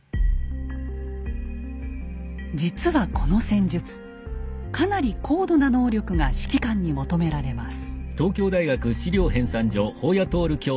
実はこの戦術かなり高度な能力が指揮官に求められます。